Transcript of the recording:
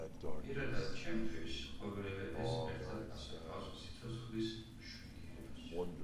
პირადად ჩემთვის, ყოველივე ეს ერთად ასახავს სიცოცხლის მშვენიერებას.